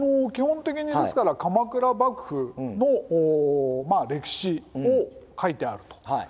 基本的にですから鎌倉幕府の歴史を書いてあると。